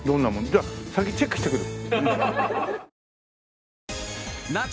じゃあ先チェックしてくる。